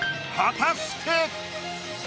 果たして。